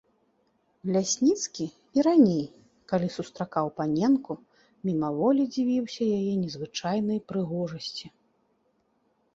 Лясніцкі і раней, калі сустракаў паненку, мімаволі дзівіўся яе незвычайнай прыгожасці.